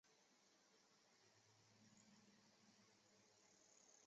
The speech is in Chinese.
米尔森是德国萨克森州的一个市镇。